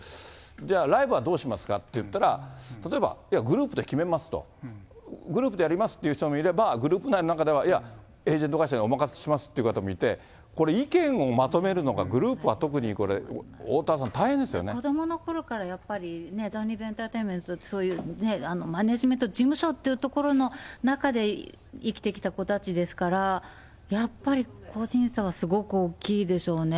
じゃあライブはどうしますかって言ったら、例えば、グループで決めますと、グループでやりますっていう人もいれば、グループ内の中ではいや、エージェント会社にお任せしますっていう方もいて、これ、意見をまとめるのが、グループは特にこれ、おおたわさん、子どものころから、やっぱりジャニーズエンターテインメントって、そういうマネジメント事務所っていうところの中で生きてきた子たちですから、やっぱり個人差はすごく大きいでしょうね。